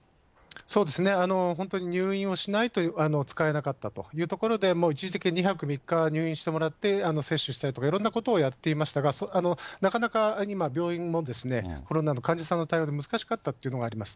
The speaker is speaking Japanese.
そうですね、本当に入院をしないと使えなかったというところで、一時的に２泊３日入院してもらって接種したりとか、いろんなことをやっていましたが、なかなか今、病院もコロナの患者さんの対応で難しかったというのがあります。